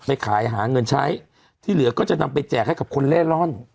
ไปขายหาเงินใช้ที่เหลือก็จะนำไปแจกให้กับคนเล่ร่อน